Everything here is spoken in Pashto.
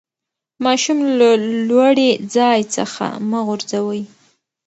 ماشوم له لوړي ځای څخه مه غورځوئ.